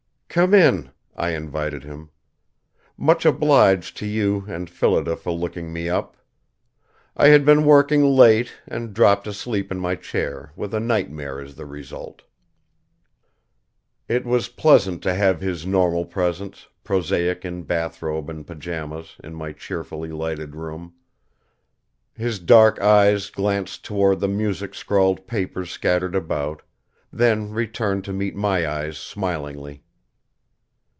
"Come in," I invited him. "Much obliged to you and Phillida for looking me up! I had been working late and dropped asleep in my chair, with a nightmare as the result." It was pleasant to have his normal presence, prosaic in bathrobe and pajamas, in my cheerfully lighted room. His dark eyes glanced toward the music scrawled papers scattered about, then returned to meet my eyes smilingly.